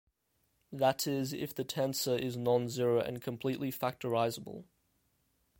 That is, if the tensor is nonzero and completely factorizable.